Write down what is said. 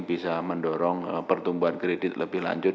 bisa mendorong pertumbuhan kredit lebih lanjut